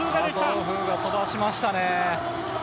佐藤風雅、飛ばしましたね。